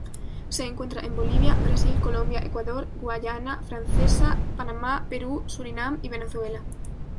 Se encuentra en Bolivia, Brasil, Colombia, Ecuador, Guayana francesa, Panamá, Perú, Surinam y Venezuela.